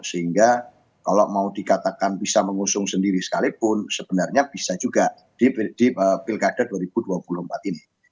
sehingga kalau mau dikatakan bisa mengusung sendiri sekalipun sebenarnya bisa juga di pilkada dua ribu dua puluh empat ini